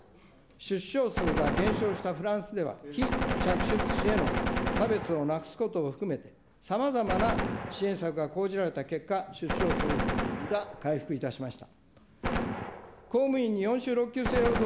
出生数が減少したフランスでは、非嫡出子への差別をなくすことを含めて、さまざまな支援策が講じられた結果、出生数が回復いたしました。